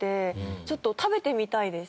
ちょっと食べてみたいです。